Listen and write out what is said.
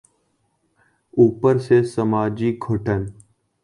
اوپر سے سماجی گھٹن۔